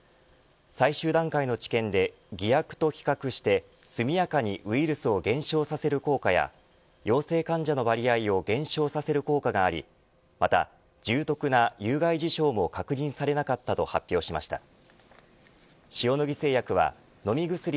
最終段階の治験で偽薬と比較して速やかにウイルスを減少させる効果や陽性患者の割合を減少させる効果がありまた重篤な有害事象も確認されなかったと発表しました。